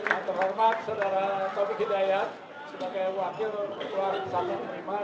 yang terhormat saudara taufik hidayat sebagai wakil ketua sampai menerima